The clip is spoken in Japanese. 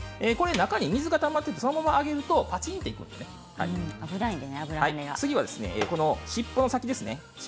中に水がたまっていた、そのままあげるとカチンといくので次は尻尾の先ですね